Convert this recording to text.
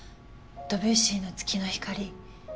ドビュッシーの『月の光』。